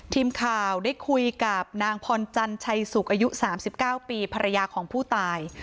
ทีมข่าวได้คุยกับนางพรจันชัยสุกอายุ๓๙ปีภรรยาของผู้ตาย